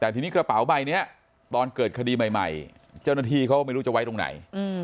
แต่ทีนี้กระเป๋าใบนี้ตอนเกิดคดีใหม่เจ้าหน้าที่เขาไม่รู้จะไว้ตรงไหน